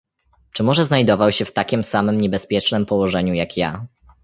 "Czy może znajdował się w takiem samem niebezpiecznem położeniu, jak ja?"